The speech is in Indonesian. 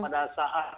dua kali saya mundur